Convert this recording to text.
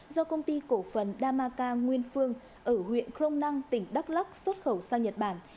do công ty cổ phần damaca nguyên phương ở huyện kronang tỉnh đắk lắc xuất khẩu sang nhật bản